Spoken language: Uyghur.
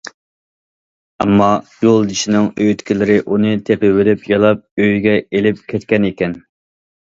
ئەمما يولدىشىنىڭ ئۆيدىكىلىرى ئۇنى تېپىۋېلىپ،« يالاپ» ئۆيىگە ئېلىپ كەتكەنىكەن.